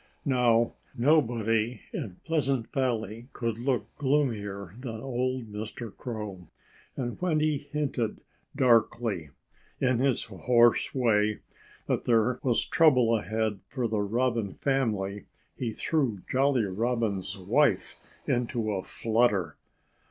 Now, nobody in Pleasant Valley could look gloomier than old Mr. Crow. And when he hinted darkly, in his hoarse way, that there was trouble ahead for the Robin family, he threw Jolly Robin's wife into a flutter.